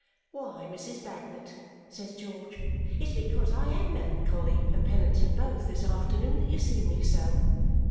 'Why, Mrs. Bagnet,' says George, 'it's because I AM melancholy and penitent both, this afternoon, that you see me so.'